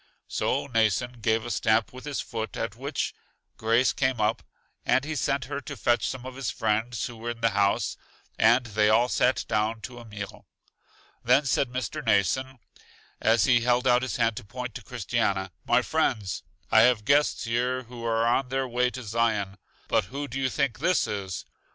So Mnason gave a stamp with his foot, at which Grace came up, and he sent her to fetch some of his friends who were in the house, and they all sat down to a meal. Then said Mr. Mnason, as he held out his hand to point to Christiana: My friends, I have guests here who are on their way to Zion. But who do you think this is?